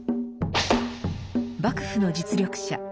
幕府の実力者